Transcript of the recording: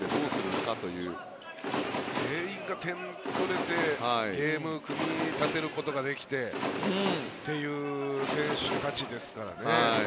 全員が点が取れてゲームを組み立てることができてという選手たちですからね。